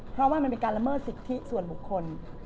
เพราะว่ามันเป็นการละเมิดสิทธิส่วนบุคคล